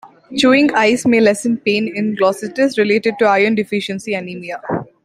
Chewing ice may lessen pain in glossitis related to iron deficiency anemia.